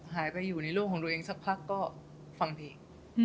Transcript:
หายไปอยู่ในโลกของตัวเองสักพักก็ฟังเพลง